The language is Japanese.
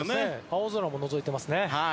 青空ものぞいていますね。